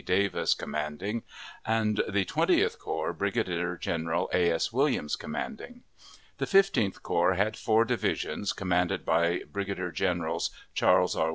Davis commanding, and the Twentieth Corps, Brigadier General A. S. Williams commanding. The Fifteenth Corps had four divisions, commanded by Brigadier Generals Charles R.